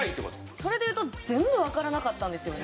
それで言うと全部わからなかったんですよね。